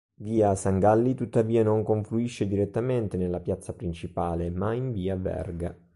Via Sangalli tuttavia non confluisce direttamente nella piazza principale, ma in Via Verga.